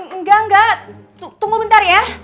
enggak enggak tunggu bentar ya